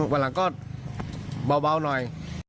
วันหลังก็เบาหน่อย